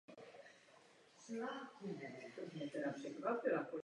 Vidět jsme ji mohli v několika úspěšných celovečerních filmech.